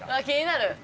気になる。